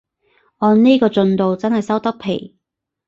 按呢個進度真係收得皮